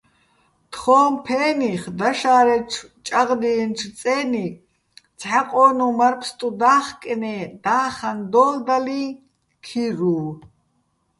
თხოჼ ფე́ნიხ დაშა́რეჩო̆ ჭაღდიენჩო̆ წე́ნი ცჰ̦ა ყო́ნუჼ მარფსტუ და́ხკენე́ და́ხაჼ დოლდალიჼ ქირუვ.